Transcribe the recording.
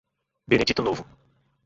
Benedito Novo